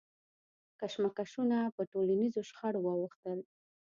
کشمکشونه پر ټولنیزو شخړو واوښتل.